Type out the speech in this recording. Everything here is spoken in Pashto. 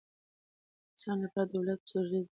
د انسانانو له پاره دولت ضروري دئ.